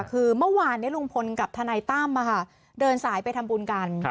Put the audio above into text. คือเมื่อวานลุงพลกับทนายตั้มเดินสายไปทำบุญกัน